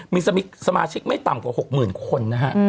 มีสมาชิกไม่ต่ำกว่า๖๐๐๐คนนะฮะ